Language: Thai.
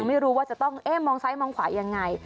ไม่รู้ว่าจะต้องเอ๊ะมองซ้ายมองขวายังไง